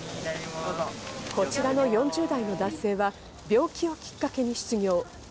こちらの４０代の男性は病気をきっかけに失業。